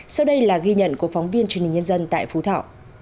sau đây là ghi nhận của phóng viên truyền hình nhân dân tại phú thọ